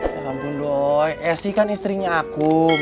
ya ampun doi ese kan istrinya akum